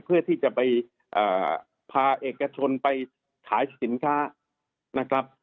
เพื่อที่จะไปพาเอกชนไปขายสินค้านะครับ